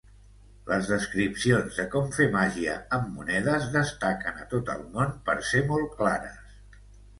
Les descripcions de com fer màgia amb monedes destaquen a tot el món per ser molt clares.